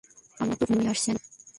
আমার তো ঘুমই আসছে না।